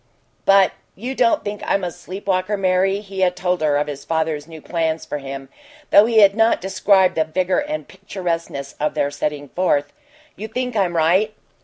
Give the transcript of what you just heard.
"But you don't think I'm a sleep walker, Mary?" He had told her of his father's new plans for him, though he had not described the vigor and picturesqueness of their setting forth. "You think I'm right?"